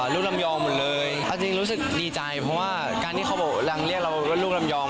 ลูกลำยองหมดเลยเอาจริงรู้สึกดีใจเพราะว่าการที่เขาบอกรังเรียกเราว่าลูกลำยอง